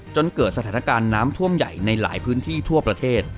จนเกิดสถานการณ์น้ำท่วมใหญ่ในหลายพื้นที่ทั่วประเทศ